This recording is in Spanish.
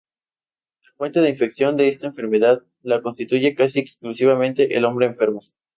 La fuente de infección de esta enfermedad, la constituye casi exclusivamente el hombre enfermo.